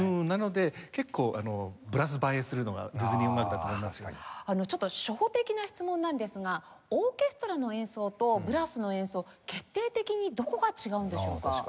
なので結構ちょっと初歩的な質問なんですがオーケストラの演奏とブラスの演奏決定的にどこが違うんでしょうか？